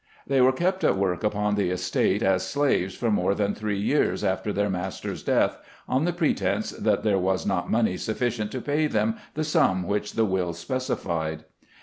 They were kept at work upon the estate as slaves for more than three years after their master's death, on the pretence that there was not money sufficient to pay them the sum which the will specified.